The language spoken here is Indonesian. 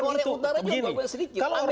orde utara golputnya sedikit